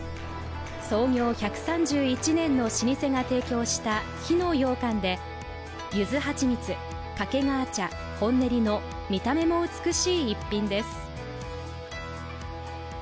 創業１３１年の老舗が提供した火の羊羹でゆず蜂蜜、掛川茶、本練の見た目も美しい逸品です。